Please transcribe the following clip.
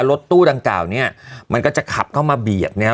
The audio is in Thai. รถตู้ดังกล่าวเนี่ยมันก็จะขับเข้ามาเบียดนะครับ